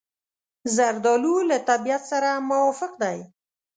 زردالو له طبیعت سره موافق دی.